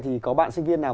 thì có bạn sinh viên nào